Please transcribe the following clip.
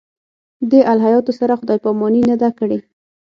دې الهیاتو سره خدای پاماني نه ده کړې.